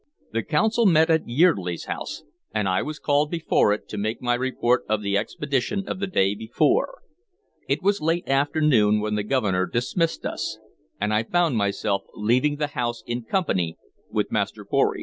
The Council met at Yeardley's house, and I was called before it to make my report of the expedition of the day before. It was late afternoon when the Governor dismissed us, and I found myself leaving the house in company with Master Pory.